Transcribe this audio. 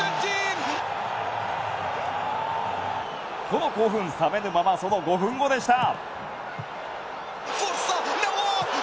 この興奮冷めぬままその５分後でした。